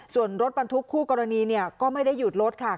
ส่วนรถบรรทุกคู่กรณีก็ไม่ได้หยุดรถค่ะ